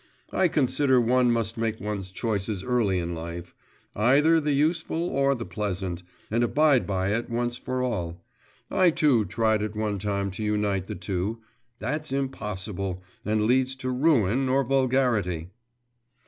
… I consider one must make one's choice early in life; either the useful or the pleasant, and abide by it once for all. I, too, tried at one time to unite the two.… That's impossible, and leads to ruin or vulgarity.